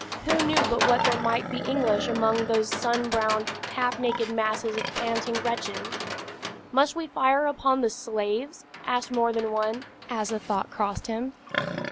Who knew but what there might be English among those sun browned, half naked masses of panting wretches? "Must we fire upon the slaves?" asked more than one, as the thought crossed him.